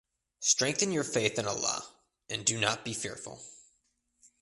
Strengthen your faith in Allah and do not be fearful.